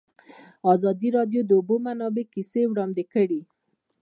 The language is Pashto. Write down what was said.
ازادي راډیو د د اوبو منابع کیسې وړاندې کړي.